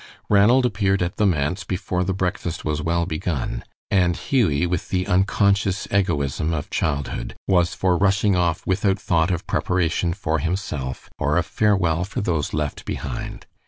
Ranald appeared at the manse before the breakfast was well begun, and Hughie, with the unconscious egoism of childhood, was for rushing off without thought of preparation for himself or of farewell for those left behind.